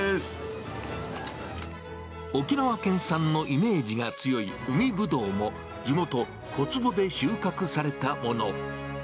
沖縄県産のイメージが強い海ブドウも、地元、小坪で収穫されたもの。